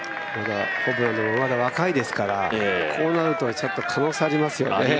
ホブランドもまだ若いですからこうなるとちょっと可能性ありますよね。